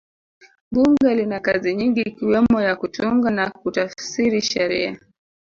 bunge lina kazi nyingi ikiwemo ya kutunga na kutafsiri sheria